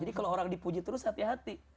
jadi kalau orang dipuji terus hati hati